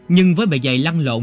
nhưng với bề dày lăn lộn